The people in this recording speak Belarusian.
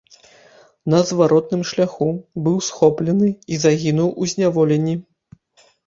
На зваротным шляху быў схоплены і загінуў у зняволенні.